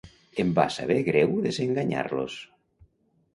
em va saber greu desenganyar-los